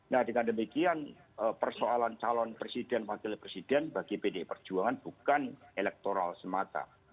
nah dengan demikian persoalan calon presiden wakil presiden bagi pdi perjuangan bukan elektoral semata